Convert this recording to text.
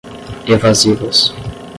evasivas